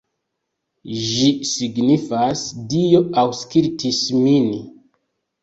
Ĝi signifas: Dio aŭskultis min.